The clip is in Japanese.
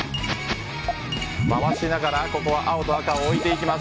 回しながらここは青と赤を置いていきます。